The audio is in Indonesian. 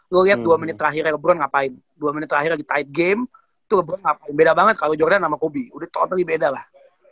lo liat dua menit terakhirnya lebron ngapain dua menit terakhir lagi tight game itu lebron ngapain beda banget kalo jordan sama kobe udah totally beda lah